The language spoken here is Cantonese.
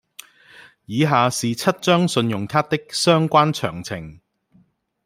以下是七張信用卡的相關詳情